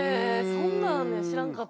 そんなんあんねや知らなかった。